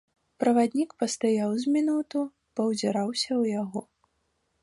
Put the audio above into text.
Праваднік пастаяў з мінуту, паўзіраўся ў яго.